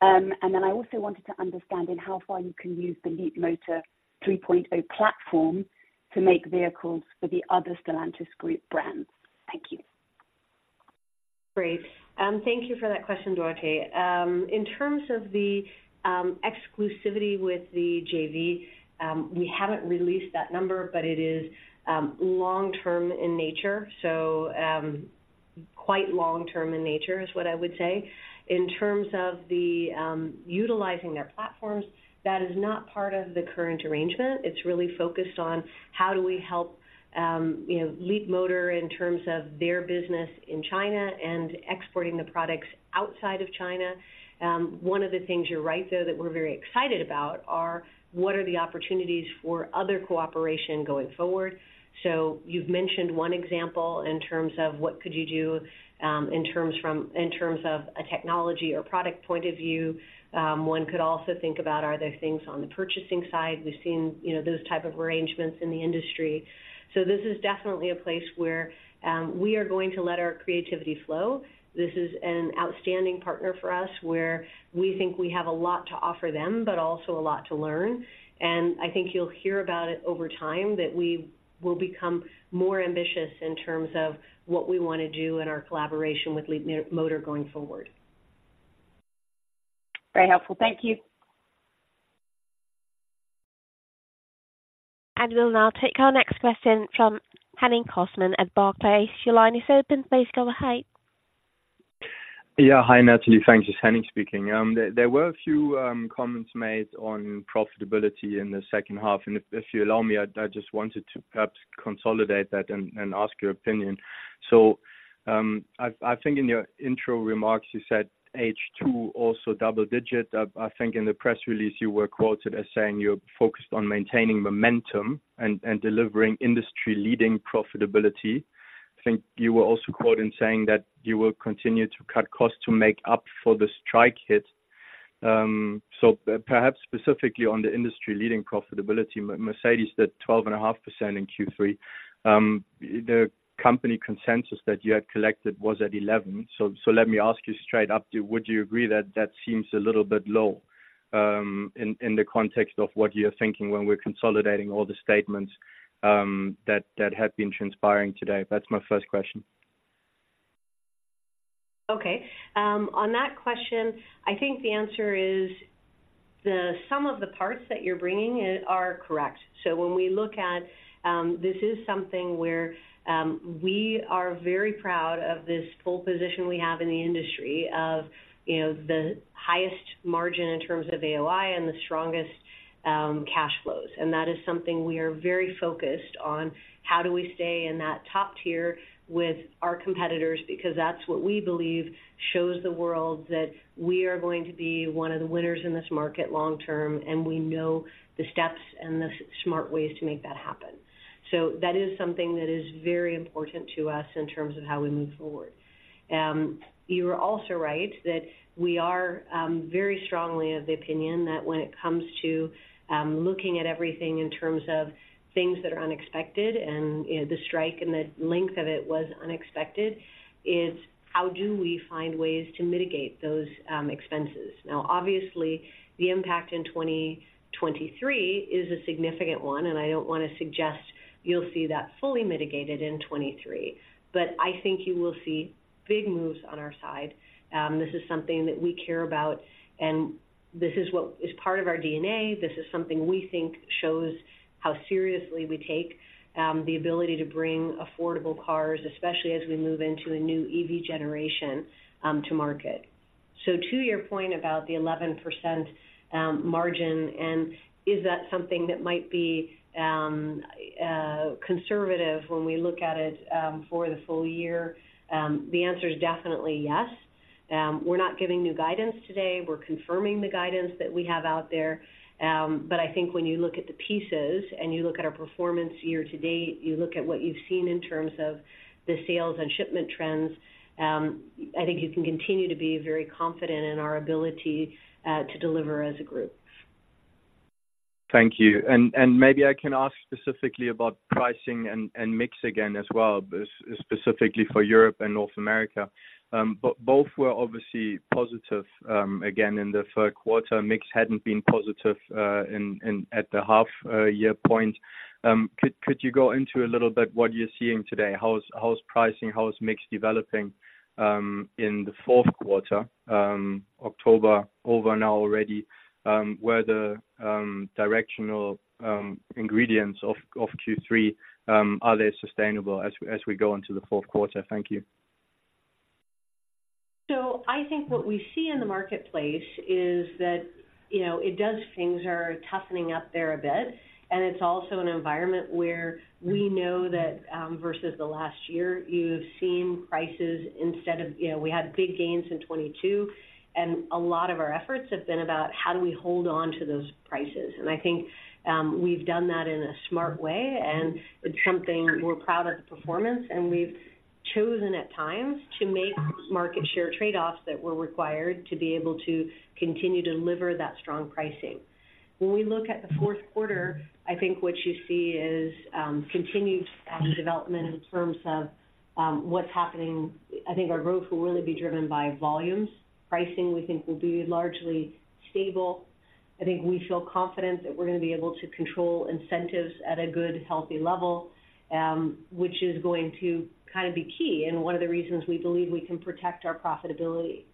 And then I also wanted to understand in how far you can use the Leapmotor 3.0 platform to make vehicles for the other Stellantis group brands? Thank you. Great. Thank you for that question, Dorothee. In terms of the exclusivity with the JV, we haven't released that number, but it is long-term in nature, so quite long-term in nature, is what I would say. In terms of utilizing their platforms, that is not part of the current arrangement. It's really focused on how do we help, you know, Leapmotor in terms of their business in China and exporting the products outside of China. One of the things you're right, though, that we're very excited about, are what are the opportunities for other cooperation going forward? So you've mentioned one example in terms of what could you do, in terms of a technology or product point of view. One could also think about, are there things on the purchasing side? We've seen, you know, those type of arrangements in the industry. This is definitely a place where we are going to let our creativity flow. This is an outstanding partner for us, where we think we have a lot to offer them, but also a lot to learn. I think you'll hear about it over time, that we will become more ambitious in terms of what we want to do in our collaboration with Leapmotor going forward. Very helpful. Thank you. We'll now take our next question from Henning Cosman at Barclays. Your line is open. Please go ahead. Yeah. Hi, Natalie. Thank you. Henning speaking. There were a few comments made on profitability in the second half, and if you allow me, I just wanted to perhaps consolidate that and ask your opinion. So, I think in your intro remarks, you said H2 also double-digit. I think in the press release, you were quoted as saying you're focused on maintaining momentum and delivering industry-leading profitability. I think you were also quoted as saying that you will continue to cut costs to make up for the strike hit. So perhaps specifically on the industry-leading profitability, Mercedes did 12.5% in Q3. The company consensus that you had collected was at 11%. So, let me ask you straight up, would you agree that that seems a little bit low, in the context of what you're thinking when we're consolidating all the statements that have been transpiring today? That's my first question. Okay. On that question, I think the answer is the sum of the parts that you're bringing is, are correct. So when we look at, this is something where, we are very proud of this pole position we have in the industry of, you know, the highest margin in terms of AOI and the strongest, cash flows. And that is something we are very focused on. How do we stay in that top tier with our competitors? Because that's what we believe shows the world that we are going to be one of the winners in this market long-term, and we know the steps and the smart ways to make that happen. So that is something that is very important to us in terms of how we move forward. You are also right that we are very strongly of the opinion that when it comes to looking at everything in terms of things that are unexpected, and, you know, the strike and the length of it was unexpected, how do we find ways to mitigate those expenses? Now, obviously, the impact in 2023 is a significant one, and I don't want to suggest you'll see that fully mitigated in 2023, but I think you will see big moves on our side. This is something that we care about, and this is what is part of our DNA. This is something we think shows how seriously we take the ability to bring affordable cars, especially as we move into a new EV generation, to market. So to your point about the 11% margin, and is that something that might be conservative when we look at it for the full year? The answer is definitely yes. We're not giving new guidance today. We're confirming the guidance that we have out there. But I think when you look at the pieces and you look at our performance year-to-date, you look at what you've seen in terms of the sales and shipment trends, I think you can continue to be very confident in our ability to deliver as a group. Thank you. Maybe I can ask specifically about pricing and mix again as well as specifically for Europe and North America. Both were obviously positive again in the third quarter. Mix hadn't been positive in at the half-year point. Could you go into a little bit what you're seeing today? How's pricing, how's mix developing in the fourth quarter, October over now already? Whether the directional ingredients of Q3 are they sustainable as we go into the fourth quarter? Thank you. So I think what we see in the marketplace is that, you know, things are toughening up there a bit, and it's also an environment where we know that, versus the last year, you've seen prices instead of, you know, we had big gains in 2022, and a lot of our efforts have been about how do we hold on to those prices. And I think, we've done that in a smart way and it's something we're proud of the performance, and we've chosen at times to make market share trade-offs that were required to be able to continue to deliver that strong pricing. When we look at the fourth quarter, I think what you see is, continued strong development in terms of, what's happening. I think our growth will really be driven by volumes. Pricing, we think, will be largely stable. I think we feel confident that we're going to be able to control incentives at a good, healthy level, which is going to kind of be key and one of the reasons we believe we can protect our profitability.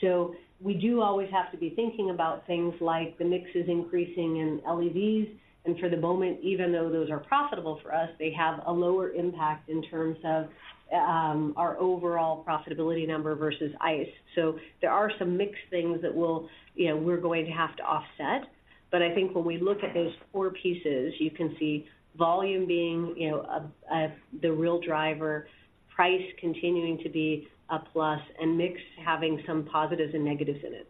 So we do always have to be thinking about things like the mix is increasing in EVs, and for the moment, even though those are profitable for us, they have a lower impact in terms of our overall profitability number versus ICE. So there are some mixed things that we'll, you know, we're going to have to offset. But I think when we look at those four pieces, you can see volume being, you know, the real driver, price continuing to be a plus, and mix having some positives and negatives in it.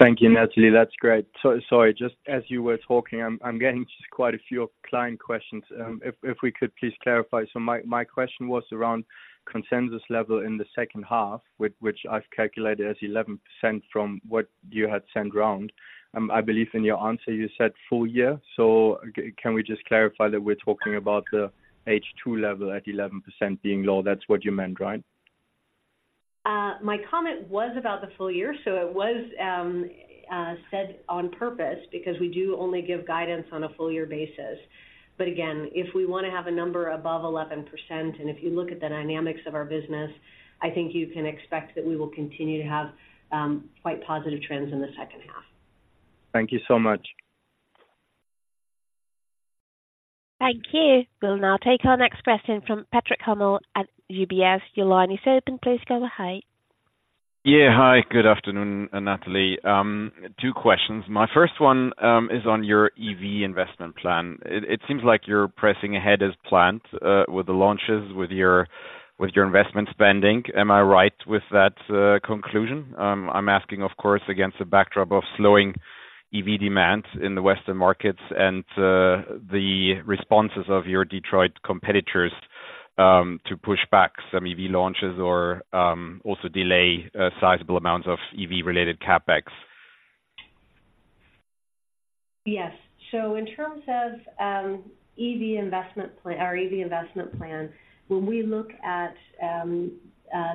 Thank you, Natalie. That's great. So sorry, just as you were talking, I'm getting just quite a few client questions. If we could please clarify. So my question was around consensus level in the second half, which I've calculated as 11% from what you had sent round. I believe in your answer, you said full year. So can we just clarify that we're talking about the H2 level at 11% being low? That's what you meant, right? My comment was about the full year, so it was said on purpose because we do only give guidance on a full year basis. But again, if we want to have a number above 11%, and if you look at the dynamics of our business, I think you can expect that we will continue to have quite positive trends in the second half. Thank you so much. Thank you. We'll now take our next question from Patrick Hummel at UBS. Your line is open. Please go ahead. Yeah, hi. Good afternoon, Natalie. Two questions. My first one is on your EV investment plan. It seems like you're pressing ahead as planned with the launches, with your investment spending. Am I right with that conclusion? I'm asking, of course, against the backdrop of slowing EV demand in the Western markets and the responses of your Detroit competitors to push back some EV launches or also delay sizable amounts of EV-related CapEx. Yes. So in terms of EV investment plan, our EV investment plan, when we look at the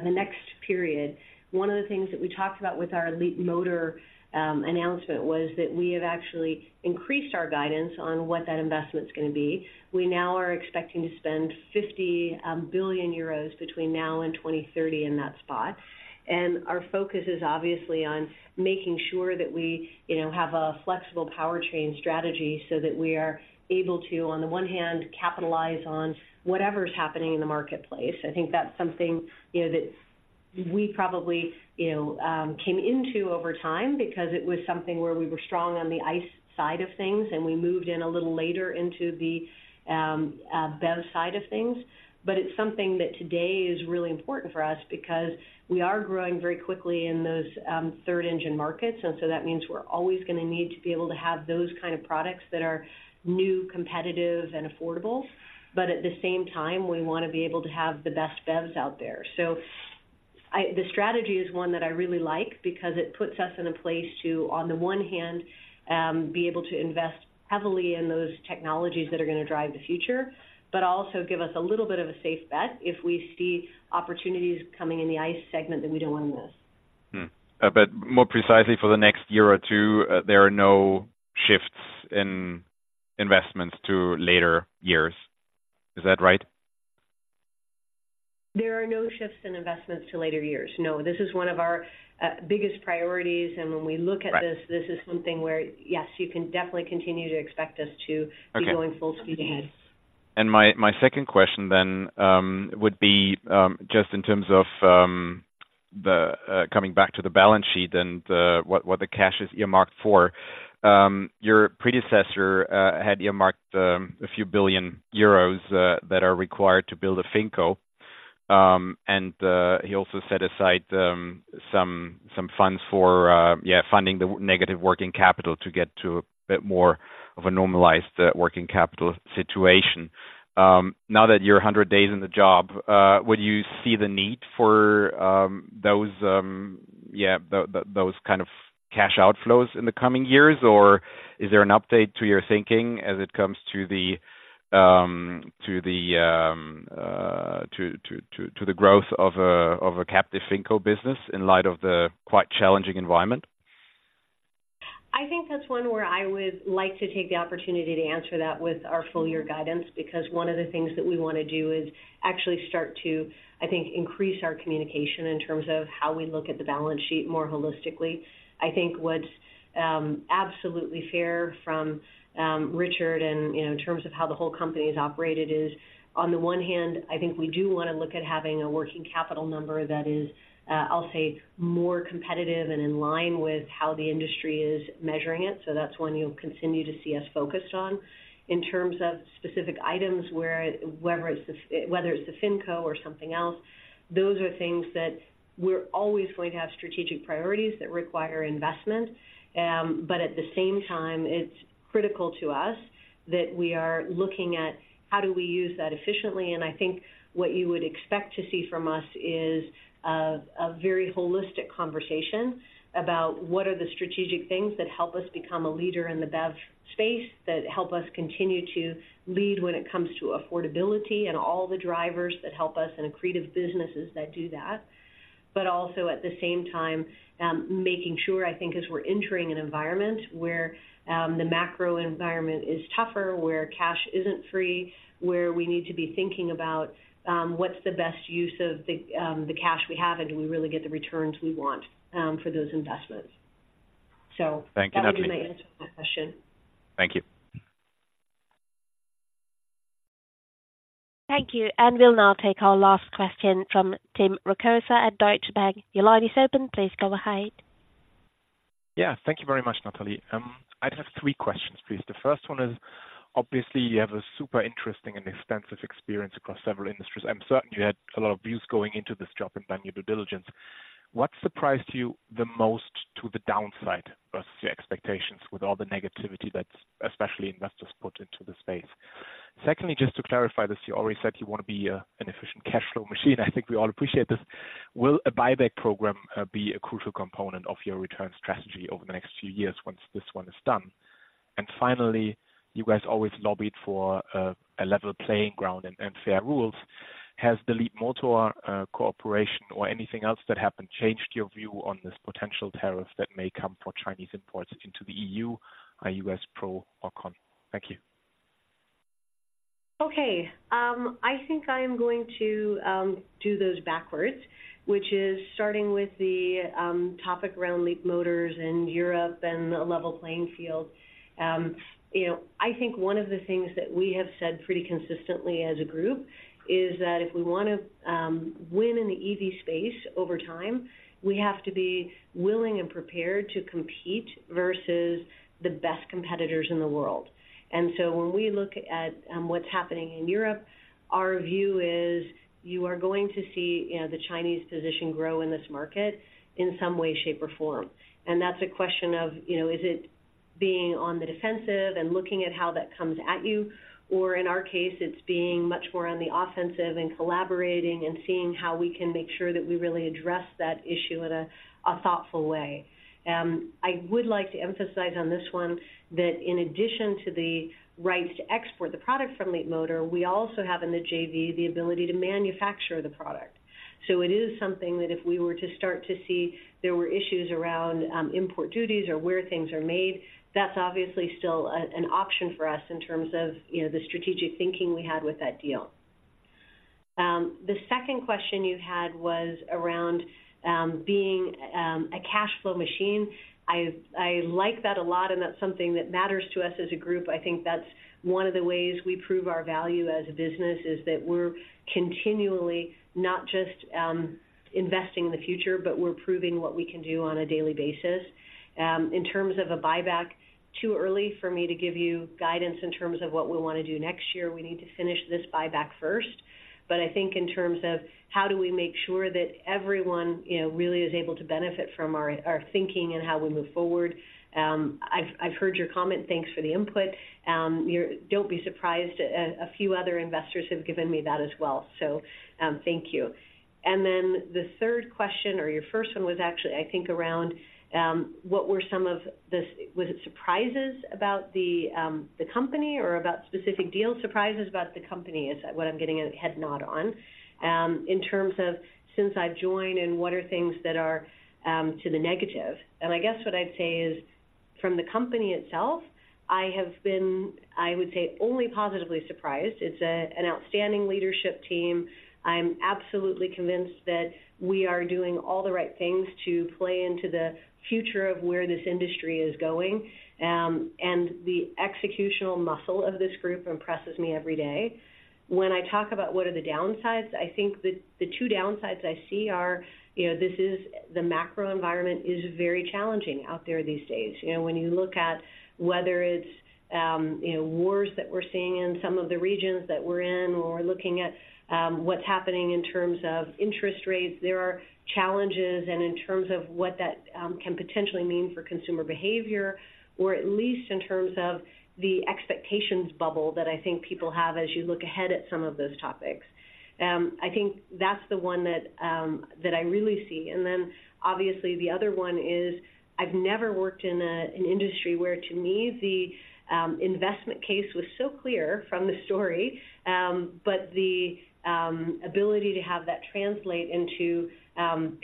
next period, one of the things that we talked about with our Leapmotor announcement was that we have actually increased our guidance on what that investment is going to be. We now are expecting to spend 50 billion euros between now and 2030 in that spot. And our focus is obviously on making sure that we, you know, have a flexible powertrain strategy so that we are able to, on the one hand, capitalize on whatever is happening in the marketplace. I think that's something, you know, that we probably, you know, came into over time because it was something where we were strong on the ICE side of things, and we moved in a little later into the BEV side of things. But it's something that today is really important for us because we are growing very quickly in those Third Engine markets, and so that means we're always going to need to be able to have those kind of products that are new, competitive, and affordable. But at the same time, we want to be able to have the best BEVs out there. So the strategy is one that I really like because it puts us in a place to, on the one hand, be able to invest heavily in those technologies that are going to drive the future, but also give us a little bit of a safe bet if we see opportunities coming in the ICE segment that we don't want to miss. Hmm. But more precisely for the next year or two, there are no shifts in investments to later years. Is that right? There are no shifts in investments to later years, no. This is one of our biggest priorities, and when we look at this- Right. This is something where, yes, you can definitely continue to expect us to- Okay. be going full speed ahead. My second question then would be just in terms of the coming back to the balance sheet and what the cash is earmarked for. Your predecessor had earmarked a few billion EUR that are required to build a Finco. And he also set aside some funds for funding the negative working capital to get to a bit more of a normalized working capital situation. Now that you're 100 days in the job, would you see the need for those kind of cash outflows in the coming years? Or is there an update to your thinking as it comes to the growth of a captive Finco business in light of the quite challenging environment? I think that's one where I would like to take the opportunity to answer that with our full year guidance, because one of the things that we want to do is actually start to, I think, increase our communication in terms of how we look at the balance sheet more holistically. I think what's absolutely fair from Richard and, you know, in terms of how the whole company is operated is, on the one hand, I think we do want to look at having a working capital number that is, I'll say, more competitive and in line with how the industry is measuring it. So that's one you'll continue to see us focused on. In terms of specific items, where whether it's the Finco or something else, those are things that we're always going to have strategic priorities that require investment. But at the same time, it's critical to us that we are looking at how do we use that efficiently. And I think what you would expect to see from us is a very holistic conversation about what are the strategic things that help us become a leader in the BEV space, that help us continue to lead when it comes to affordability and all the drivers that help us in accretive businesses that do that but also at the same time, making sure, I think, as we're entering an environment where the macro environment is tougher, where cash isn't free, where we need to be thinking about what's the best use of the cash we have, and do we really get the returns we want for those investments. So- Thank you, Natalie. That would be my answer to that question. Thank you. Thank you. We'll now take our last question from Tim Rokossa at Deutsche Bank. Your line is open. Please go ahead. Yeah, thank you very much, Natalie. I just have three questions, please. The first one is, obviously, you have a super interesting and extensive experience across several industries. I'm certain you had a lot of views going into this job and done your due diligence. What surprised you the most to the downside versus your expectations, with all the negativity that especially investors put into the space? Secondly, just to clarify this, you already said you want to be an efficient cash flow machine. I think we all appreciate this. Will a buyback program be a crucial component of your return strategy over the next few years once this one is done? And finally, you guys always lobbied for a level playing ground and fair rules. Has the Leapmotor cooperation or anything else that happened changed your view on this potential tariff that may come for Chinese imports into the EU? Are you as pro or con? Thank you. Okay, I think I am going to do those backwards, which is starting with the topic around Leapmotor and Europe and a level playing field. You know, I think one of the things that we have said pretty consistently as a group is that if we want to win in the EV space over time, we have to be willing and prepared to compete versus the best competitors in the world. And so when we look at what's happening in Europe, our view is you are going to see, you know, the Chinese position grow in this market in some way, shape, or form. That's a question of, you know, is it being on the defensive and looking at how that comes at you, or in our case, it's being much more on the offensive and collaborating and seeing how we can make sure that we really address that issue in a thoughtful way. I would like to emphasize on this one that in addition to the rights to export the product from Leapmotor, we also have in the JV, the ability to manufacture the product. So it is something that if we were to start to see there were issues around import duties or where things are made, that's obviously still an option for us in terms of, you know, the strategic thinking we had with that deal. The second question you had was around being a cash flow machine. I like that a lot, and that's something that matters to us as a group. I think that's one of the ways we prove our value as a business, is that we're continually not just investing in the future, but we're proving what we can do on a daily basis. In terms of a buyback, too early for me to give you guidance in terms of what we want to do next year. We need to finish this buyback first. But I think in terms of how do we make sure that everyone, you know, really is able to benefit from our thinking and how we move forward, I've heard your comment. Thanks for the input. Don't be surprised, a few other investors have given me that as well, so thank you. And then the third question, or your first one, was actually, I think, around what were some of the was it surprises about the, the company or about specific deal surprises about the company? Is what I'm getting a head nod on. In terms of since I've joined, and what are things that are to the negative? And I guess what I'd say is, from the company itself, I have been, I would say, only positively surprised. It's a, an outstanding leadership team. I'm absolutely convinced that we are doing all the right things to play into the future of where this industry is going. And the executional muscle of this group impresses me every day. When I talk about what are the downsides, I think the two downsides I see are, you know, this is, the macro environment is very challenging out there these days. You know, when you look at whether it's, you know, wars that we're seeing in some of the regions that we're in, or we're looking at, what's happening in terms of interest rates, there are challenges, and in terms of what that, can potentially mean for consumer behavior, or at least in terms of the expectations bubble that I think people have as you look ahead at some of those topics. I think that's the one that I really see. And then obviously the other one is, I've never worked in an industry where, to me, the investment case was so clear from the story, but the ability to have that translate into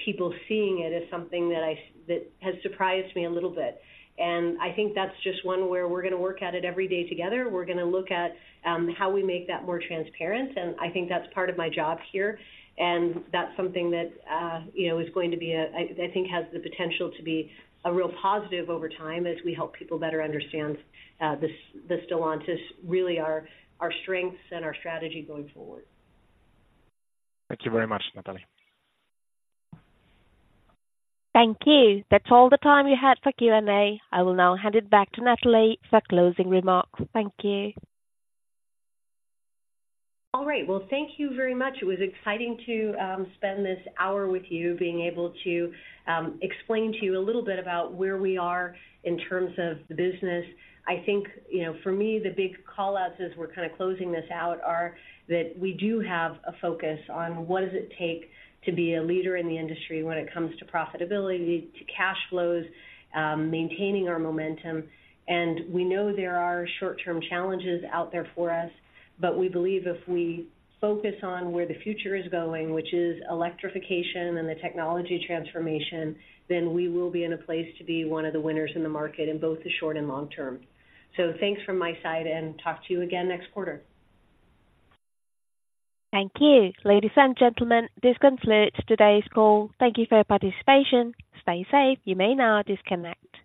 people seeing it is something that I that has surprised me a little bit. And I think that's just one where we're gonna work at it every day together. We're gonna look at how we make that more transparent, and I think that's part of my job here. And that's something that, you know, is going to be a, I think, has the potential to be a real positive over time as we help people better understand this, the Stellantis, really our strengths and our strategy going forward. Thank you very much, Natalie. Thank you. That's all the time we had for Q&A. I will now hand it back to Natalie for closing remarks. Thank you. All right. Well, thank you very much. It was exciting to spend this hour with you, being able to explain to you a little bit about where we are in terms of the business. I think, you know, for me, the big callouts as we're kind of closing this out, are that we do have a focus on what does it take to be a leader in the industry when it comes to profitability, to cash flows, maintaining our momentum. And we know there are short-term challenges out there for us, but we believe if we focus on where the future is going, which is electrification and the technology transformation, then we will be in a place to be one of the winners in the market in both the short and long-term. So thanks from my side, and talk to you again next quarter. Thank you. Ladies and gentlemen, this concludes today's call. Thank you for your participation. Stay safe. You may now disconnect.